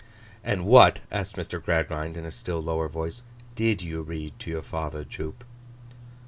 'And what,' asked Mr. Gradgrind, in a still lower voice, 'did you read to your father, Jupe?